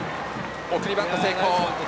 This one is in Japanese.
送りバント成功。